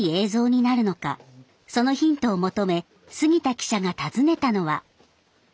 そのヒントを求め杉田記者が訪ねたのは。